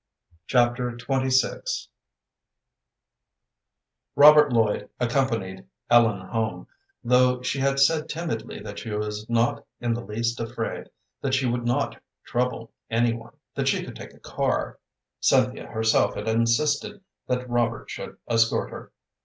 Chapter XXVI Robert Lloyd accompanied Ellen home, though she had said timidly that she was not in the least afraid, that she would not trouble any one, that she could take a car. Cynthia herself had insisted that Robert should escort her.